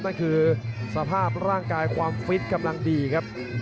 นั่นคือสภาพร่างกายความฟิตกำลังดีครับ